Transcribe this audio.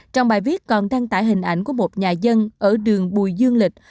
trong bài viết còn đăng tải hình ảnh của một nhà dân ở đường bùi dương lịch